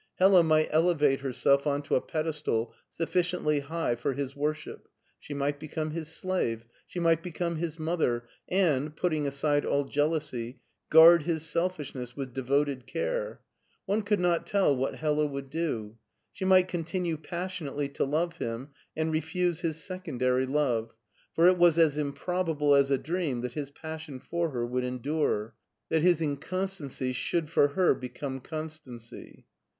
Hella might elevate herself on to a pedestal sufficiently high for his worship, she might become his slave, she might become his mother, and, putting aside all jealousy, guard his selfishness with devoted care. One could not tell what Hella would do. She might continue passionately to love him and refuse his secondary love, for it was as improbable as a dream that his passion for her would endure, that his inconstancy should for her become constancy.